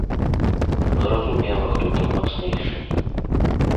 Зразумела, хто там мацнейшы.